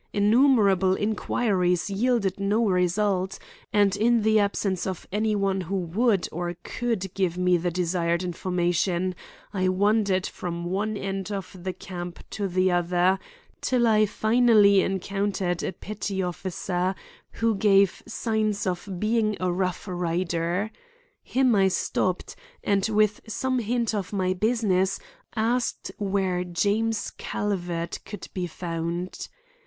Innumerable inquiries yielded no result, and in the absence of any one who would or could give me the desired information I wandered from one end of the camp to the other till I finally encountered a petty officer who gave signs of being a Rough Rider. Him I stopped, and, with some hint of my business, asked where James Calvert could be found.